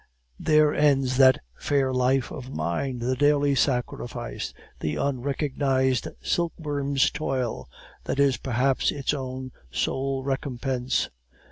"There ends that fair life of mine, the daily sacrifice, the unrecognized silkworm's toil, that is, perhaps, its own sole recompense.